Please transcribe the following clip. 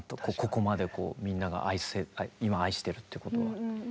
ここまでこうみんなが今愛してるってことは。